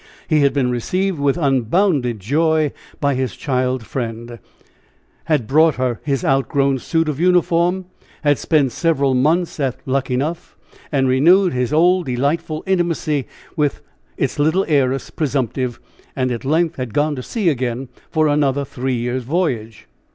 He had been received with unbounded joy by his child friend; had brought her his outgrown suit of uniform; had spent several months at Luckenough, and renewed his old delightful intimacy with its little heiress presumptive, and at length had gone to sea again for another three years' voyage.